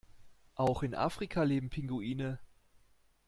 Auch in Afrika leben Pinguine.